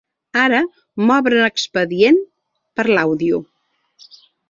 Ara m'obren expedient per l'àudio.